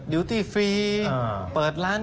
ดิวตี้ฟรีเปิดร้าน